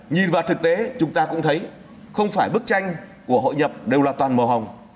nhìn vào thực tế chúng ta cũng thấy không phải bức tranh của hội nhập đều là toàn màu hồng